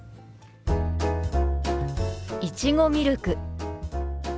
「いちごミルク」。